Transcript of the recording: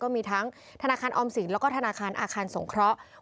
มีทั้งธนาคารออมสินแล้วก็ธนาคารอาคารสงเคราะห์